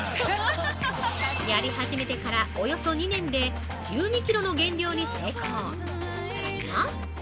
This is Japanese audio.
やり始めてから、およそ２年で１２キロの減量に成功。